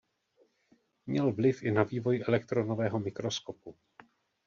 Měl vliv i na vývoj elektronového mikroskopu.